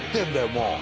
もう。